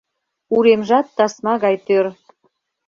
Уремжат тасма гай тӧр.